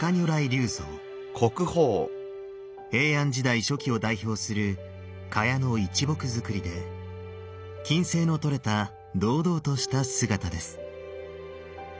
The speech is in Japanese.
平安時代初期を代表する榧の一木造りで均斉の取れた堂々とした姿です。